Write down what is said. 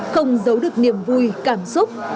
không giấu được niềm vui cảm xúc